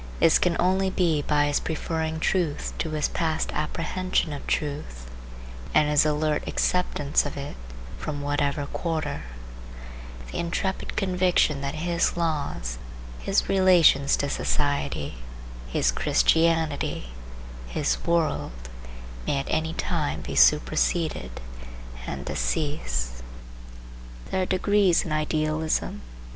This can only be by his preferring truth to his past apprehension of truth, and his alert acceptance of it from whatever quarter; the intrepid conviction that his laws, his relations to society, his Christianity, his world, may at any time be superseded and decease. There are degrees in idealism.